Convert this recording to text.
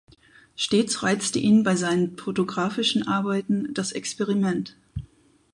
Stets reizte ihn bei seinen fotografischen Arbeiten das Experiment.